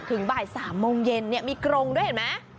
ถึงบ่าย๓โมงเย็นมีกรงด้วยเห็นไหม